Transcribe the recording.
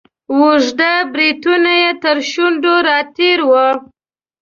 اوږده بریتونه یې تر شونډو را تیر وه.